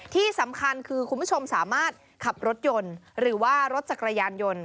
ที่สำคัญคือคุณผู้ชมสามารถขับรถยนต์หรือว่ารถจักรยานยนต์